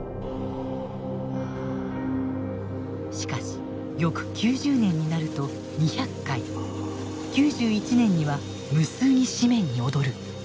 しかし翌９０年になると２００回９１年には無数に紙面に躍る。